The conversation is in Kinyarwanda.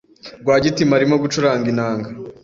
Rwagitima arimo gucuranga inanga.